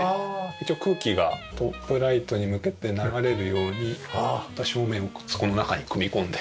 一応空気がトップライトに向けて流れるように照明をそこの中に組み込んで。